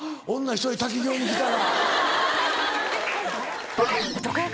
１人滝行に来たら。